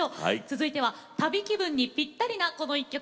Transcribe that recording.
続いては旅気分にぴったりなこの一曲。